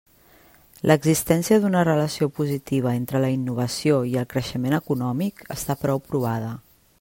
L'existència d'una relació positiva entre la innovació i el creixement econòmic està prou provada.